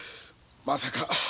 まさか